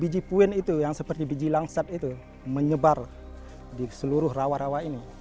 biji biji puin seperti biji langsat itu menyebar di seluruh rawa rawa ini